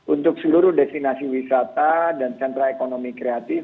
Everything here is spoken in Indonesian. untuk seluruh destinasi wisata dan sentra ekonomi kreatif